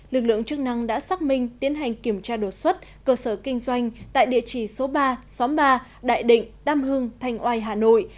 lực lượng chức năng đã xác minh tiến hành kiểm tra đột xuất cơ sở kinh doanh tại địa chỉ số ba xóm ba đại định tam hưng thành oai hà nội